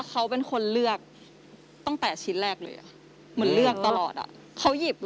ของสาม